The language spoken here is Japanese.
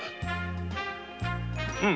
うん。